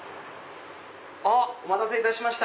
お待たせいたしました。